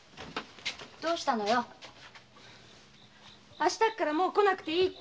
明日からもう来なくていいって。